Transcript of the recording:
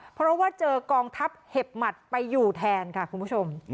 เพราะว่าเจอกองทัพเห็บหมัดไปอยู่แทนค่ะคุณผู้ชม